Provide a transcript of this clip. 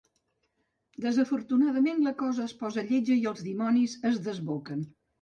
Desafortunadament, la cosa es posa lletja i els dimonis es desboquen.